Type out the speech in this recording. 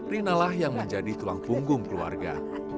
rinalah yang menjadi tulang punggung keluarga